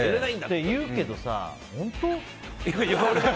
って言うけどさ、本当？